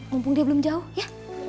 mumpung dia belum jauh ya